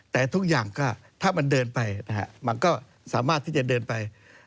แต่ทุกอย่างก็ถ้ามันเดินไปนะฮะมันก็สามารถที่จะเดินไป